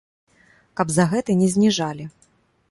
Каб за гэта не зніжалі.